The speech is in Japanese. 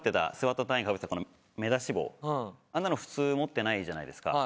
隊員がかぶってたこの目出し帽あんなの普通持ってないじゃないですか。